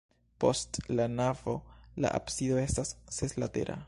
Post la navo la absido estas seslatera.